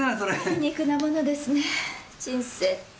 皮肉なものですねぇ人生って。